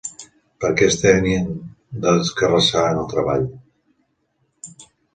Per què es tenien d'escarrassar en el treball